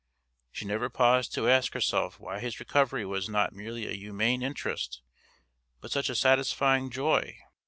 She never paused to ask herself why his recovery was not merely a humane interest but such a satisfying joy.